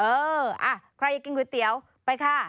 เออใครอยากกินขวยเตี๋ยวไปแหละ